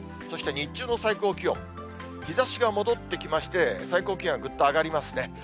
そして日中の最高気温、日ざしが戻ってきまして、最高気温はぐっと上がりますね。